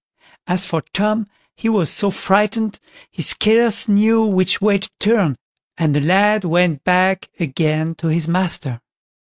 As for Tom, he was so frightened he scarce knew which way to turn, and the lad went back again to his master.